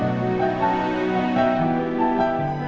kok gak dibales bales ya